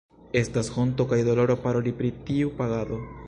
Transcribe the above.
Estas honto kaj doloro paroli pri tiu pagado.